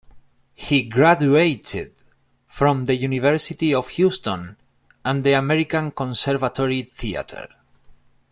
He graduated from the University of Houston and the American Conservatory Theater.